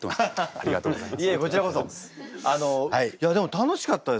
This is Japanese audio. ありがとうございます。